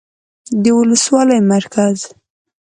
، د ولسوالۍ مرکز